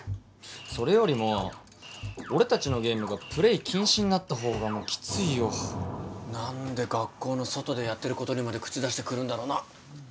それよりも俺達のゲームがプレイ禁止になった方がもうキツイよ何で学校の外でやってることにまで口出してくるんだろうな？